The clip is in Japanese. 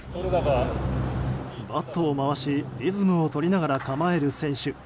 バットを回しリズムをとりながら構える選手。